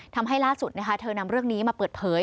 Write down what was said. ทำให้ล่าสุดเธอนำเรื่องนี้มาเปิดเผย